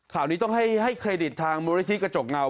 ข่าวนี้ต้องให้เครดิตทางมูลนิธิกระจกเงา